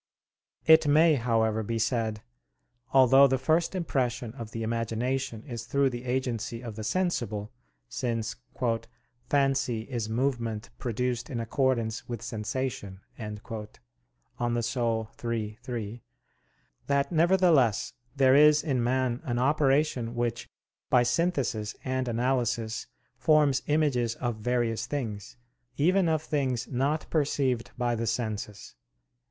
It may, however, be said, although the first impression of the imagination is through the agency of the sensible, since "fancy is movement produced in accordance with sensation" (De Anima iii, 3), that nevertheless there is in man an operation which by synthesis and analysis forms images of various things, even of things not perceived by the senses.